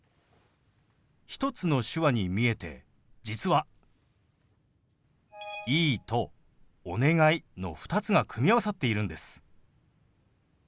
１つの手話に見えて実は「いい」と「お願い」の２つが組み合わさっているんです。